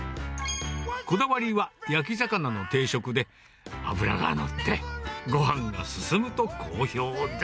こだわりは焼き魚の定食で、脂が乗って、ごはんが進むと好評